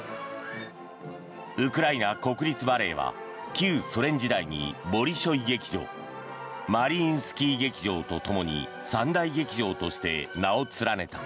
ウクライナ国立バレエは旧ソ連時代にボリショイ劇場マリインスキー劇場とともに三大劇場として名を連ねた。